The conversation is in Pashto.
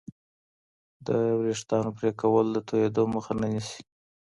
د وریښتانو پرې کول د توېدو مخه نه نیسي.